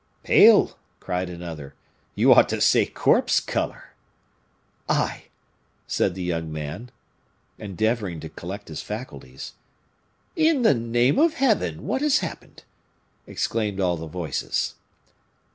"Pale!" cried another; "you ought to say corpse color." "I!" said the young man, endeavoring to collect his faculties. "In the name of Heaven! what has happened?" exclaimed all the voices.